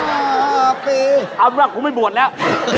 เอ้าพี่พลังผมไม่บ่นแล้ว